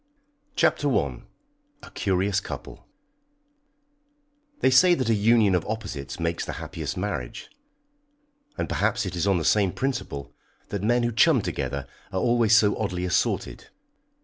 _ CHAPTER I. A CURIOUS COUPLE. They say that a union of opposites makes the happiest marriage, and perhaps it is on the same principle that men who chum together are always so oddly assorted.